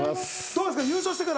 どうですか？